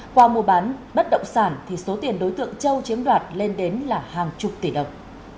qua mua bán bất động sản thì số tiền đối tượng châu chiếm đoạt lên đến là hàng chục tỷ đồng